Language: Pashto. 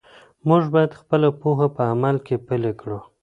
موږ باید خپله پوهه په عمل کې پلی کړو.